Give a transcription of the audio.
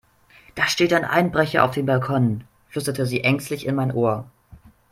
"Da steht ein Einbrecher auf dem Balkon", flüsterte sie ängstlich in mein Ohr.